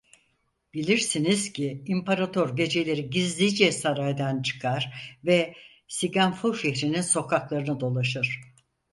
Bilirsiniz ki İmparator geceleri gizlice saraydan çıkar ve SiGanFu şehrinin sokaklarını dolaşır.